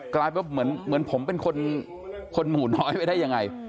กลายเป็นเหมือนผมเป็นคนหมู่น้อยไปได้ยังไง